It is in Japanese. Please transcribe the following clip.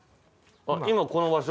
今この場所？